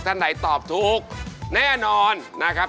ท่านไหนตอบถูกแน่นอนนะครับ